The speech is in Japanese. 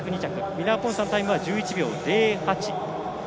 ミナアポンサのタイムは１１秒０８。